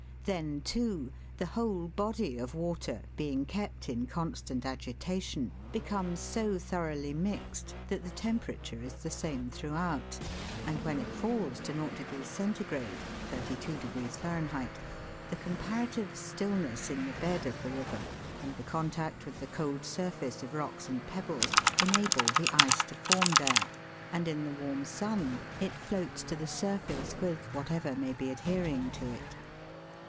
Then, too, the whole body of water, being kept in constant agitation, becomes so thoroughly mixed that the temperature is the same throughout, and when it falls to o C. (32 Fahr.), the comparative still ness in the bed of the river, and the contact with the cold surface of rocks and pebbles, enable the ice to form there, and in the warm sun it floats to the surface with whatever may be adhering to it.